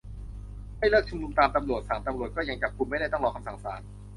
ไม่เลิกชุมนุมตามตำรวจสั่ง ตำรวจก็ยังจับกุมไม่ได้ ต้องรอคำสั่งศาล